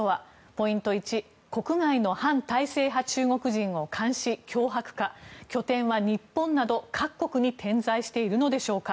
ポイント１、国外の反体制派中国人を監視・脅迫か拠点は日本など各国に点在しているのでしょうか。